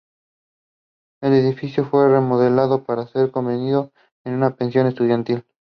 El edificio fue remodelado para ser convertido en una pensión estudiantil.